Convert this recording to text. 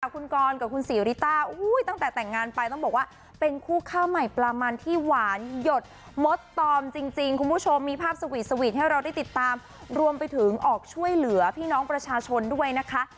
คุณกรกับคุณศรีริต้าตั้งแต่แต่งงานไปต้องบอกว่าเป็นคู่ข้าวใหม่ปลามันที่หวานหยดมดตอมจริงคุณผู้ชมมีภาพสวีทสวีทให้เราได้ติดตามรวมไปถึงออกช่วยเหลือพี่น้องประชาชนด้วยนะคะ